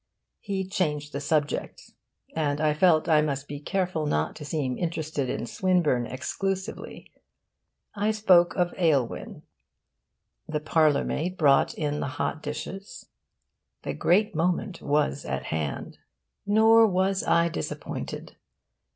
He changed the subject, and I felt I must be careful not to seem interested in Swinburne exclusively. I spoke of 'Aylwin.' The parlourmaid brought in the hot dishes. The great moment was at hand. Nor was I disappointed.